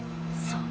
そう。